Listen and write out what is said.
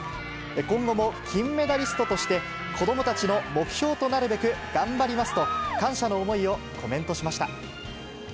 今後も金メダリストとして、子どもたちの目標となるべく頑張りますと、感謝の思いをコメントしました。